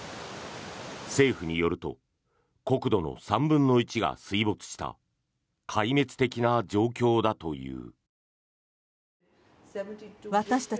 政府によると国土の３分の１が水没した壊滅的な状況だという。